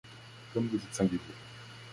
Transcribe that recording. Comme vous êtes singulier!